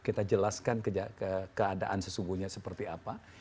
kita jelaskan keadaan sesungguhnya seperti apa